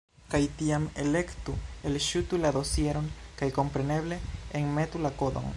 Kaj tiam, elektu "Elŝutu la dosieron", kaj kompreneble, enmetu la kodon.